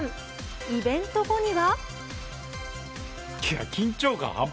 イベント後には。